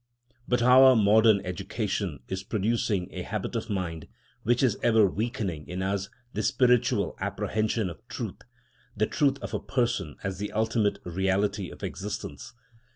But our modern education is producing a habit of mind which is ever weakening in us the spiritual apprehension of truth—the truth of a person as the ultimate reality of existence.